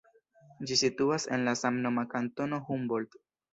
Ĝi situas en la samnoma kantono Humboldt.